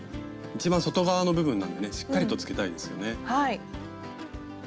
一番外側の部分なんでねしっかりとつけたいですよね。